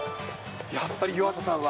やっぱり、湯浅さんは。